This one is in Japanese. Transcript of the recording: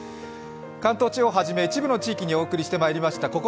関東地方はじめ、一部の地域にお送りしてまいりました